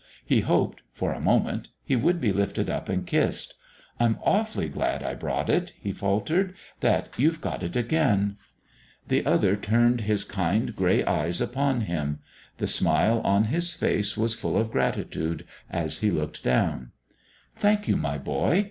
He hoped for a moment he would be lifted up and kissed. "I'm awfully glad I brought it," he faltered "that you've got it again." The other turned his kind grey eyes upon him; the smile on his face was full of gratitude as he looked down. "Thank you, my boy.